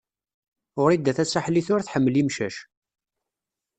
Wrida Tasaḥlit ur tḥemmel imcac.